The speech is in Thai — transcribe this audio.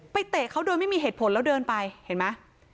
เตะเขาโดยไม่มีเหตุผลแล้วเดินไปเห็นไหม